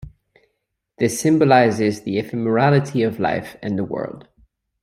This symbolizes the ephemerality of life and the world.